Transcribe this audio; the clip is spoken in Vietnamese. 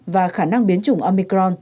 và khả năng biến chủng omicron